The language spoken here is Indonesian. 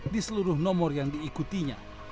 di seluruh nomor yang diikutinya